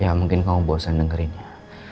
ya mungkin kamu bosan dengerin ya